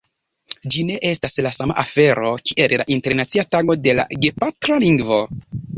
Ĝi ne estas la sama afero kiel la Internacia Tago de la Gepatra Lingvo.